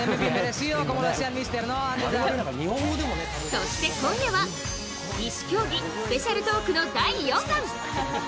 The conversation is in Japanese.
そして今夜は異種競技スペシャルトークの第４弾。